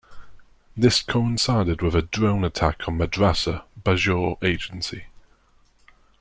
This coincided with a drone attack on Madrassa, Bajour Agency.